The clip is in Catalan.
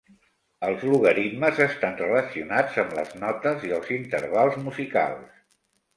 Els logaritmes estan relacionats amb les notes i els intervals musicals.